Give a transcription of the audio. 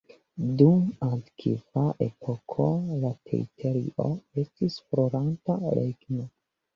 Dum la antikva epoko la teritorio estis floranta regno.